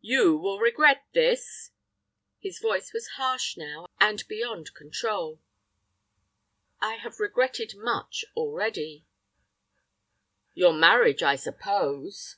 "You will regret this." His voice was harsh now and beyond control. "I have regretted much already." "Your marriage, I suppose?"